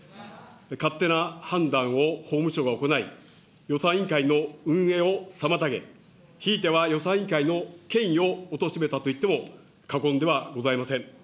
勝手な判断を法務省が行い、予算委員会の運営を妨げ、ひいては予算委員会の権威をおとしめたといっても過言ではございません。